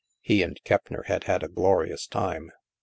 He and Keppner had had a glorious time.